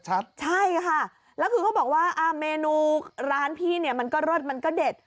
ใช่ค่ะแล้วคือเขาบอกว่าเมนูร้านพี่เนี่ยมันก็รสมันก็เด็ด